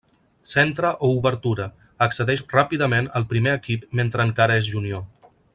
Centre o obertura, accedeix ràpidament al primer equip mentre encara és junior.